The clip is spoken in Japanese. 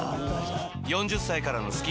４０歳からのスキンケア